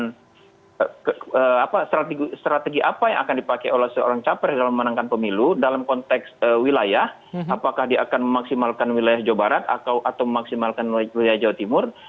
jadi strategi apa yang akan dipakai oleh seorang capres dalam memenangkan pemilu dalam konteks wilayah apakah dia akan memaksimalkan wilayah jawa barat atau memaksimalkan wilayah jawa timur